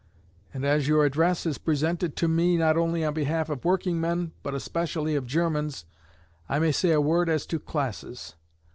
And as your address is presented to me not only on behalf of workingmen, but especially of Germans, I may say a word as to classes.